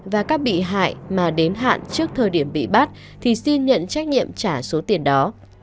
và các bị hại mà đến hạn trước thời điểm bị bắt thì xin nhận trách nhiệm trả số tiền đó